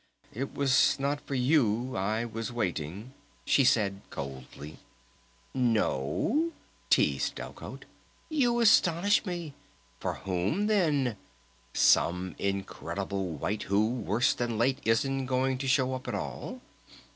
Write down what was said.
"It was not for you I was waiting," she said coldly. "N o?" teased Delcote. "You astonish me. For whom, then? Some incredible wight who, worse than late isn't going to show up at all?...